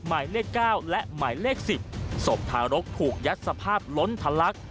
หมายเลข๙และหมายเลข๑๐ศพทารกถูกยัดสภาพล้นทะลัก